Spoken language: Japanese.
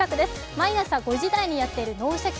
毎朝５時台にやっている「脳シャキ！